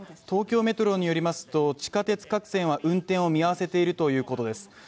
東京メトロによりますと、地下鉄各線は運転を見合わせているということです